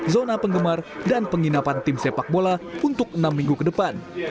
zona penggemar dan penginapan tim sepak bola untuk enam minggu ke depan